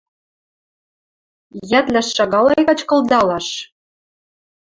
«Йӓтлӓш шагалай качкылдалаш!» —